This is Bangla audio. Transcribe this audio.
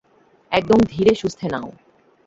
একদম ধীরে-সুস্থে নাও।